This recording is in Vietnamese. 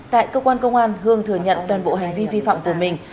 tại cơ quan công an hương thừa nhận toàn bộ hành vi vi phạm của mình